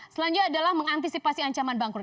selanjutnya adalah mengantisipasi ancaman bangkrut